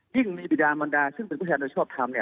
ยิ่งมีบิดามันดาซึ่งเป็นผู้ชายโดยชอบทำ